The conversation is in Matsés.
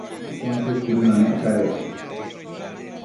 Sentede cuëdënanec cadec